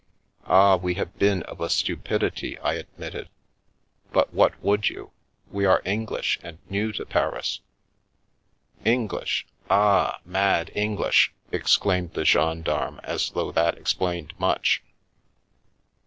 " Ah, we have been of a stupidity," I admitted, " but what would you? We are English and new to Paris." " English ! Ah, mad English !" exclaimed the gen darme, as though that explained much.